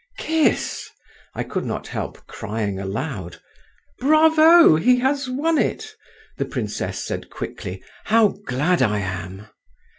"Kiss!" I could not help crying aloud. "Bravo! he has won it," the princess said quickly. "How glad I am!"